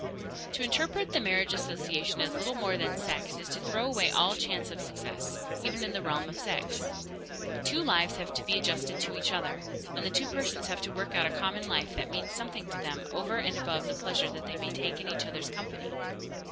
_ To interpret the marriage association as little more than sex is to throw away all chance of success, even in the realm of sex. The two lives have to be adjusted to each other, and the two persons have to work out a common life that means something to them over and above the pleasure they may take in each other's company.